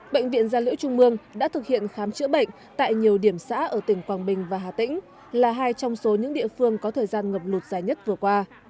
bệnh viện gia liễu trung mương đã thực hiện khám chữa bệnh tại nhiều điểm xã ở tỉnh quảng bình và hà tĩnh là hai trong số những địa phương có thời gian ngập lụt dài nhất vừa qua